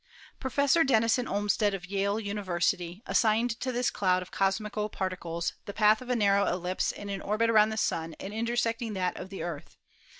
Professor Dennison Olmstead, of Yale University, assigned to this cloud of cosmical particles the path of a narrow ellipse in an orbit around the Sun and intersecting that of the Earth.